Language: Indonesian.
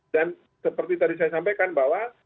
seperti tadi saya sampaikan bahwa